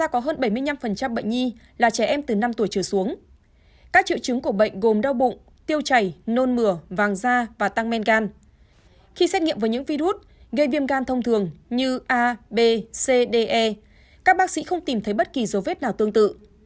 khi xét nghiệm với những virus gây viêm gan thông thường như a b c d e các bác sĩ không tìm thấy bất kỳ dấu vết nào tương tự